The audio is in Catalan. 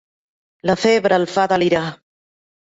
La febre el fa delirar.